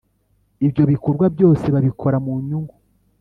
Ibyo bikorwa byose babikora mu nyungu